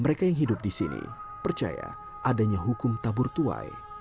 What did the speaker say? mereka yang hidup di sini percaya adanya hukum tabur tuai